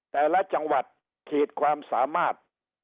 แต่ละจังหวัดขีดความสามารถ